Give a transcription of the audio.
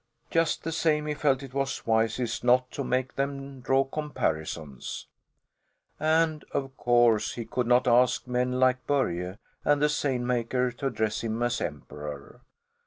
Just the same he felt it was wisest not to make them draw comparisons. And of course he could not ask men like Börje and the seine maker to address him as Emperor.